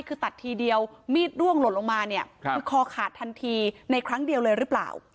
คือตัดทีเดียวมีดร่วงหล่นลงมาเนี่ยคือคอขาดทันทีในครั้งเดียวเลยหรือเปล่า